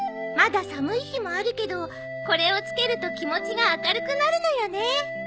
まだ寒い日もあるけどこれを着けると気持ちが明るくなるのよね。